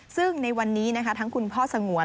ซึ่งในวันนี้นะคะทั้งคุณพ่อสงวน